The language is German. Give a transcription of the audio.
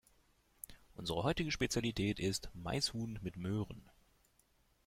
Unsere heutige Spezialität ist Maishuhn mit Möhren.